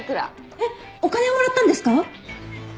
えっお金をもらったんですか？